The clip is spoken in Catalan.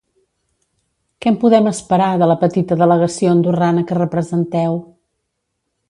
Què en podem esperar, de la petita delegació andorrana que representeu?